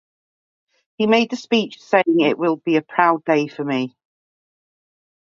He made a speech saying, It will be a proud day for me.